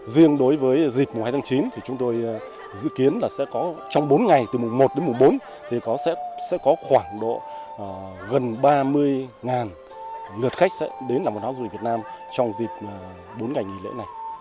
riêng đối với dịp mùa hai tháng chín thì chúng tôi dự kiến là sẽ có trong bốn ngày từ mùa một đến mùa bốn thì sẽ có khoảng độ gần ba mươi lượt khách sẽ đến làng văn hóa du lịch việt nam trong dịp bốn ngày nghỉ lễ này